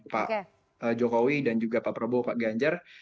pak jokowi dan juga pak prabowo pak ganjar